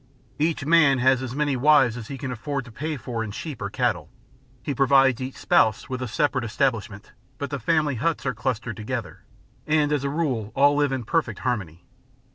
Each man has as many wives as he can afford to pay for in sheep or cattle; he provides each spouse with a separate establishment, but the family huts are clustered together, and as a rule all live in perfect harmony.